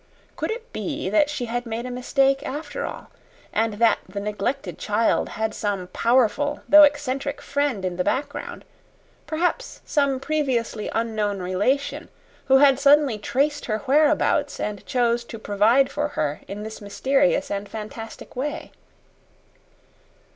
Could it be that she had made a mistake, after all, and that the neglected child had some powerful though eccentric friend in the background perhaps some previously unknown relation, who had suddenly traced her whereabouts, and chose to provide for her in this mysterious and fantastic way?